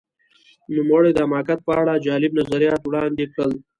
نوموړي د حماقت په اړه جالب نظریات وړاندې کړل.